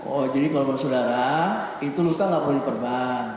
oh jadi kalau menurut saudara itu luka tidak perlu diperban